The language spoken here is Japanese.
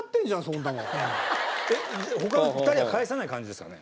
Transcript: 他の２人は返さない感じですかね？